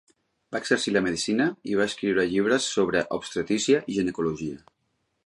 Va exercir la medicina i va escriure llibres sobre obstetrícia i ginecologia.